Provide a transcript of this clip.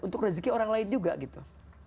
untuk rezeki orang lain juga gitu